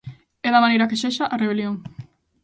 E, da maneira que sexa, a rebelión.